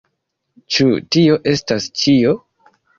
Ĉu tio estas ĉio?